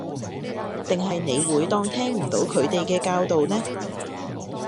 定係你會當聽唔到佢哋嘅教導呢